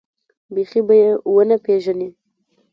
بيخي به يې ونه پېژنې.